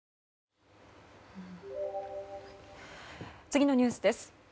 次のニュースです。